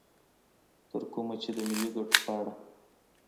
تر کومه چې د ملي ګټو په اړه